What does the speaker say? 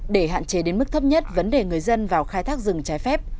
để hạn chế đến mức thấp nhất vấn đề người dân vào khai thác rừng trái phép